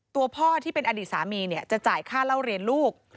ตัวพ่อที่เป็นอดีตสามีจะจ่ายค่าเล่าเรียนลูก